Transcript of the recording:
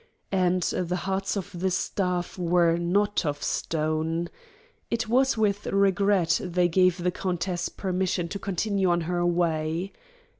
And the hearts of the staff were not of stone. It was with regret they gave the countess permission to continue on her way.